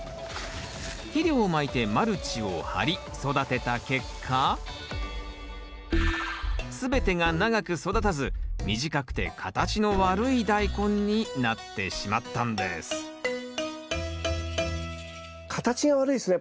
肥料をまいてマルチを張り育てた結果すべてが長く育たず短くて形の悪いダイコンになってしまったんです形が悪いですね。